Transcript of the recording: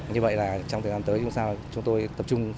như vậy là trong thời gian tới chúng tôi tập trung